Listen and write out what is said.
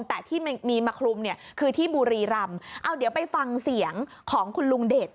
แต่ที่มีมาคลุมเนี่ยคือที่บุรีรำเอาเดี๋ยวไปฟังเสียงของคุณลุงเดช